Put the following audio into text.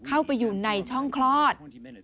เข้าไปอยู่ในช่องคลอด